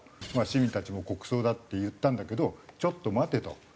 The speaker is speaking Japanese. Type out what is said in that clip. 市民たちも国葬だって言ったんだけどちょっと待てと。